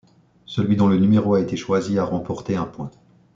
Celui dont le numéro a été choisi a remporté un point.